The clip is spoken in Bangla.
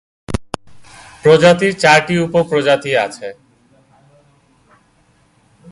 প্রজাতির চারটি উপপ্রজাতি আছে।